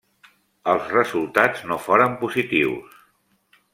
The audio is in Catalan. Els resultats no foren positius.